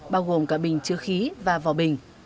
bao gồm cả bình chứa khí và vò bình